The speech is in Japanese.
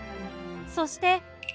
そして。